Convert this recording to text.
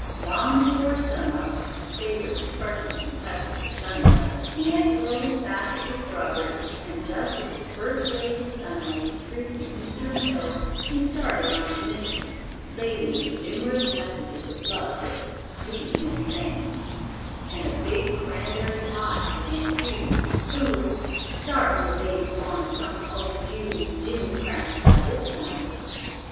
Long before "sun up" (a favorite expression in Kentucky for sunrise), he had filled his basket with strawberries, and just as the first rays of sunlight streaked the eastern hills, he started on his mission, laden with numerous messages of love for "sweet Miss Fanny," and a big cranberry pie from Aunt Judy, who was "sartin the baby wanted some of old Judy's jimcracks by this time."